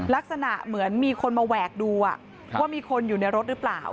ลักษณะเหมือนมีคนมาแหวกดูว่ามีคนอยู่ในรถหรือเปล่า